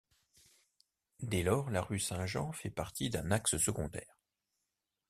Dès lors, la rue Saint-Jean fait partie d'un axe secondaire.